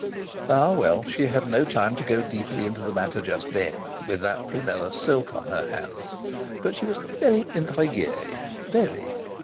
Ah, well, she had had no time to go deeply into the matter just then, with that prunella silk on her hands; but she was "very intriguée"—very!